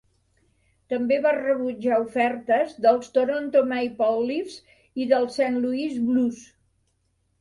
També va rebutjar ofertes dels Toronto Maple Leafs i dels Saint Louis Blues.